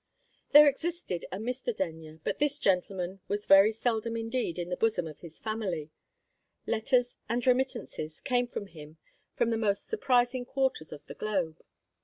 There existed a Mr. Denyer, but this gentleman was very seldom indeed in the bosom of his family. Letters and remittances came from him from the most surprising quarters of the globe.